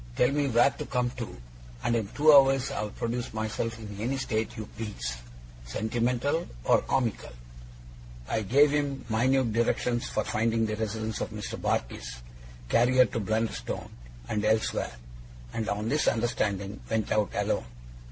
Tell me where to come to; and in two hours I'll produce myself in any state you please, sentimental or comical.' I gave him minute directions for finding the residence of Mr. Barkis, carrier to Blunderstone and elsewhere; and, on this understanding, went out alone.